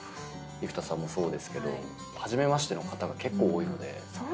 生田さんもそうですけど初めましての方が結構多いので。